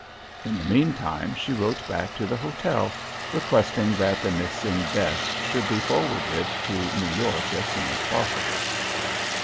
In the meantime she wrote back to the hotel, requesting that the missing desk should be forwarded to New York as soon as possible.